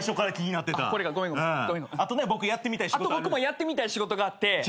あと僕もやってみたい仕事があって。